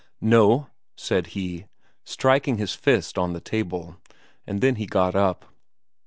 "No!" said he, striking his fist on the table. And then he got up.